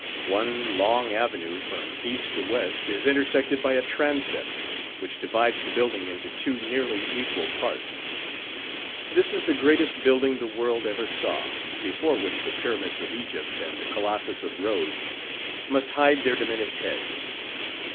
One long avenue from east to west is intersected by a Transept, which divides the building into two nearly equal parts. This is the greatest building the world ever saw, before which the Pyramids of Egypt, and the Colossus of Rhodes must hide their diminished heads.